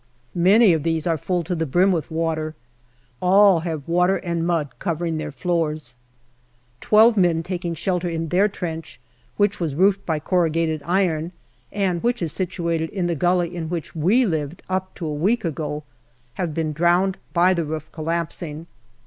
Many of these are full to the brim with water ; all have water and mud covering their floors. Twelve men taking shelter in their trench, which was roofed by corrugated iron, and which is situated in the gully in which we lived up to a week ago, have been drowned by the roof collapsing.